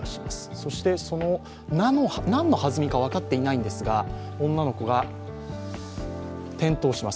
そして、その何の弾みか分かっていないんですが女の子が転倒します。